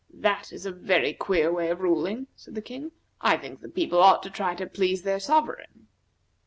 "That is a very queer way of ruling," said the King. "I think the people ought to try to please their sovereign."